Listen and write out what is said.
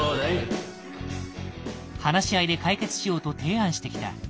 話し合いで解決しようと提案してきた。